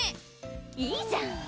いいじゃん